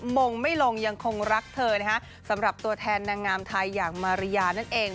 มงไม่ลงยังคงรักเธอนะคะสำหรับตัวแทนนางงามไทยอย่างมาริยานั่นเอง